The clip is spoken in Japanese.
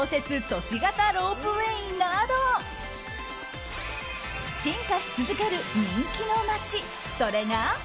都市型ロープウェーなど進化し続ける人気の町それが。